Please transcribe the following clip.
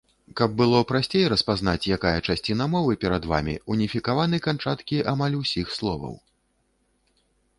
Каб было прасцей распазнаць, якая часціна мовы перад вамі, уніфікаваны канчаткі амаль усіх словаў.